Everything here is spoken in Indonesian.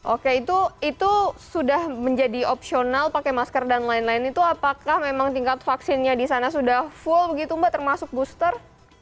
oke itu sudah menjadi opsional pakai masker dan lain lain itu apakah memang tingkat vaksinnya di sana sudah full begitu mbak termasuk booster